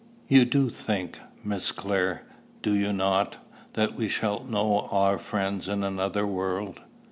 You do think, Miss Clare, do you not, that we shall know our friends in another world?"